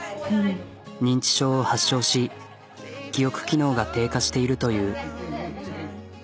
認知症を発症し記憶機能が低下しているという。